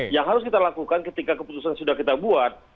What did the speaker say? yang harus kita lakukan ketika keputusan sudah kita buat